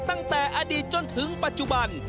ตั้งแต่อดีตจนถึงปัจจุบัน